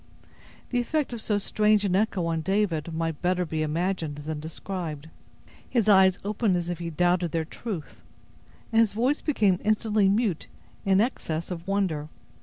The effect of so strange an echo on David may better be imagined than described. His eyes opened as if he doubted their truth; and his voice became instantly mute in excess of wonder.